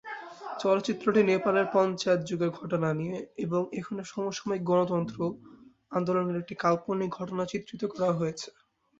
চলচ্চিত্রটি নেপালের পঞ্চায়েত যুগের ঘটনা নিয়ে, এবং এখানে সমসাময়িক গণতন্ত্র আন্দোলনের একটি কাল্পনিক ঘটনা চিত্রিত করা হয়েছে।